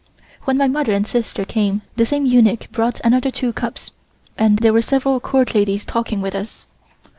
When my mother and sister came the same eunuch brought another two cups, and there were several Court ladies talking with us.